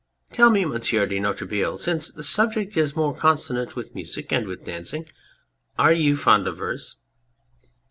... Tell me, Monsieur de Noiretable since the subject is more consonant with music and with dancing are you fond of verse